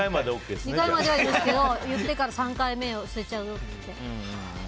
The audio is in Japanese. ２回までは許すけど言ってから３回目は捨てちゃうよって。